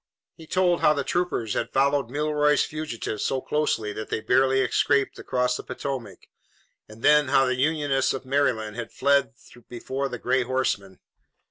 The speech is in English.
He told how the troopers had followed Milroy's fugitives so closely that they barely escaped across the Potomac, and then how the Unionists of Maryland had fled before the gray horsemen.